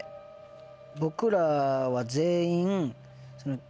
僕らは全員。